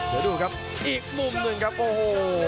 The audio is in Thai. เดี๋ยวดูครับอีกมุมหนึ่งครับโอ้โห